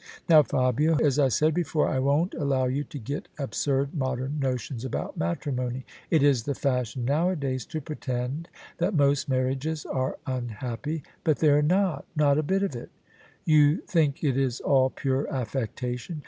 " Now, Fabia, as I said before, I won't allow you to get absurd modem notions about matrimony. It is the fashion nowadays to pretend that most marriages are unhappy: but they're not — not a bit of it." " You think it is all pure affectation?